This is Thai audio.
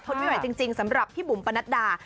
ไม่ไหวจริงสำหรับพี่บุ๋มปนัดดา